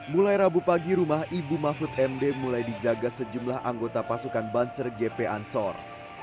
mulai rabu pagi rumah ibu mahfud md mulai dijaga sejumlah anggota pasukan banser gp ansor